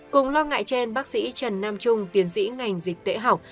cùng lo ngại trên bác sĩ trần nam trung tiến sĩ ngành dịch tễ học